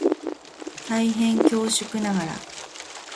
大変恐縮ながら